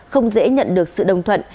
không dễ nhận được sự đồng thuận